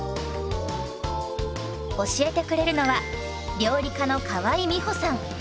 教えてくれるのは料理家の河井美歩さん。